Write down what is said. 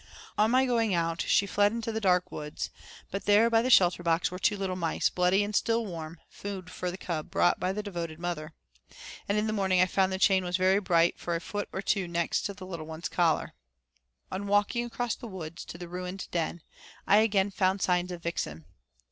On my going out she fled into the dark woods, but there by the shelter box were two little mice, bloody and still warm, food for the cub brought by the devoted mother. And in the morning I found the chain was very bright for a foot or two next the little one's collar. On walking across the woods to the ruined den, I again found signs of Vixen.